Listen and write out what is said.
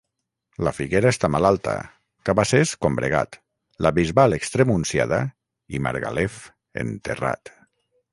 La Figuera està malalta; Cabacés, combregat; la Bisbal, extremunciada, i Margalef, enterrat.